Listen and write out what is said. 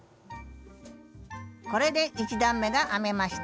これで１段めが編めました。